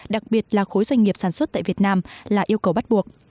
đặc biệt là khối doanh nghiệp sản xuất tại việt nam là yêu cầu bắt buộc